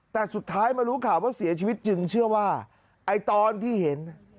แต่สุดท้ายมารู้ข่าวว่าเสียชีวิตจึงเชื่อว่าไอ้ตอนที่เห็น